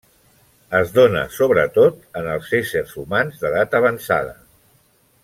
Es dóna sobretot en els éssers humans d'edat avançada.